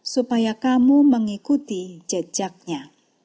supaya kamu mengikuti jejaknya